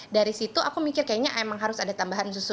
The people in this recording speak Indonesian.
dari situ aku mikir kayaknya emang harus ada tambahan susu